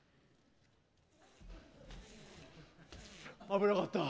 危なかった。